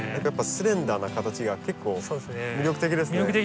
やっぱスレンダーな形が結構魅力的ですね。